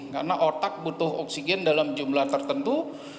karena otak butuh oksigen dalam jumlah tertentu